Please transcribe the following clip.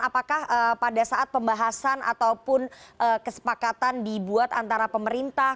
apakah pada saat pembahasan ataupun kesepakatan dibuat antara pemerintah